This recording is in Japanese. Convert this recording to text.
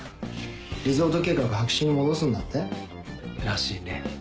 リゾート計画白紙に戻すんだって？らしいね。